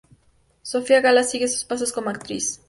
Sofía Gala sigue sus pasos como actriz.